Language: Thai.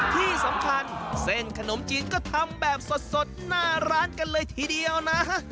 ที่สำคัญเส้นขนมจีนก็ทำแบบสดหน้าร้านกันเลยทีเดียวนะ